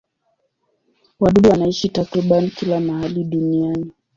Wadudu wanaishi takriban kila mahali duniani.